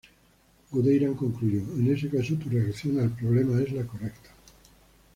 Guderian concluyó: "En ese caso, tu reacción al problema es la correcta.